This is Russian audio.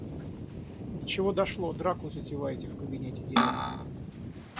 До чего дошло - драку затеваете в кабинете директора.